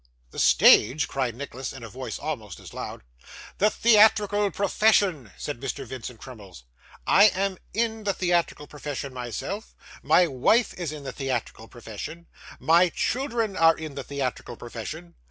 'The stage!' cried Nicholas, in a voice almost as loud. 'The theatrical profession,' said Mr. Vincent Crummles. 'I am in the theatrical profession myself, my wife is in the theatrical profession, my children are in the theatrical profession.